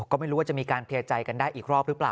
ก็ไม่รู้ว่าจะมีการเคลียร์ใจกันได้อีกรอบหรือเปล่า